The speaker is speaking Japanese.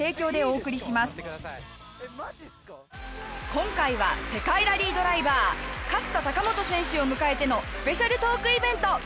今回は世界ラリードライバー勝田貴元選手を迎えてのスペシャルトークイベント！